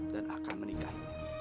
dan akan menikah